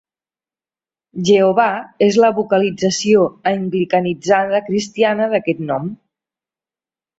"Jehovah" és la vocalització anglicanitzada cristiana d'aquest nom.